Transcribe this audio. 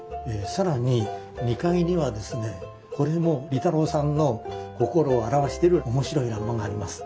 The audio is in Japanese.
更に２階にはですねこれも利太郎さんの心を表してる面白い欄間があります。